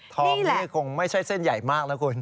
ทองนี้คงไม่ใช่เส้นใหญ่มากนะคุณ